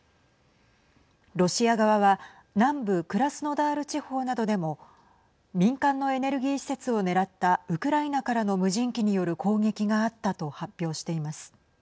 ロシア側は南部クラスノダール地方などでも民間のエネルギー施設を狙ったウクライナからの無人機による攻撃があったと発表しています。